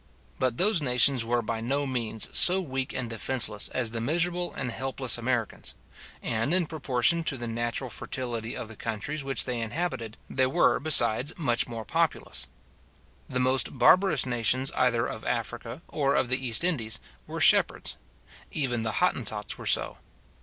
But those nations were by no means so weak and defenceless as the miserable and helpless Americans; and in proportion to the natural fertility of the countries which they inhabited, they were, besides, much more populous. The most barbarous nations either of Africa or of the East Indies, were shepherds; even the Hottentots were so.